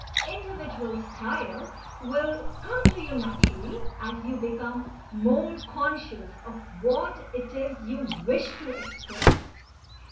Individual style will come to you naturally as you become more conscious of what it is you wish to express.